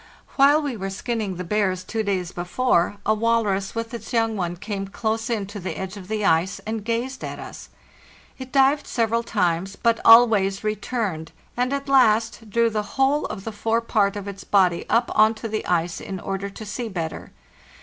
While we were skinning the bears two days before, a walrus with its young one came close in to the edge of the ice and gazed at us; it dived several times, but always returned, and at last drew the whole of the forepart of its body up on to the ice in order to see better.